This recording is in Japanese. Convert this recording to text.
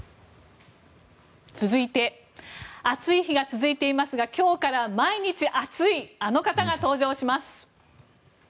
続いて、暑い日が続いていますが今日から毎日熱い、あの方が登場します。